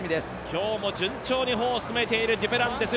今日も順調に歩を進めているデュプランティス。